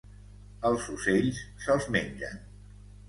Els ocells se'ls mengen.